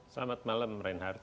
selamat malam reinhard